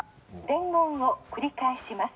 伝言を繰り返します。